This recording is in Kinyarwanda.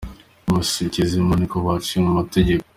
bose ikizima ni uko baciye mu mategeko.”